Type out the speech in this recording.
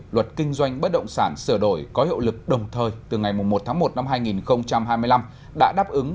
luật kinh doanh bất động sản sửa đổi có hiệu lực đồng thời từ ngày một tháng một năm hai nghìn hai mươi năm đã đáp ứng